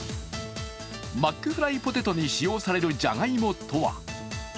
マックフライポテトに使用されるじゃがいもとは？